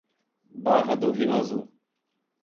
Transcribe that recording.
Barra do Rio Azul